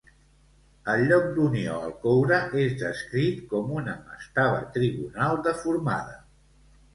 El lloc d'unió al coure és descrit com una mastaba trigonal deformada.